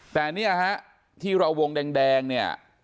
แต่เนี่ยฮะที่เราวงแดงเนี่ย